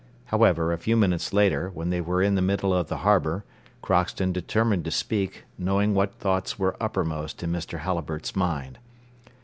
However, a few minutes later, when they were in the middle of the harbour, Crockston determined to speak, knowing what thoughts were uppermost in Mr. Halliburtt's mind.